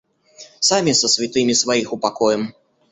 Сами со святыми своих упокоим.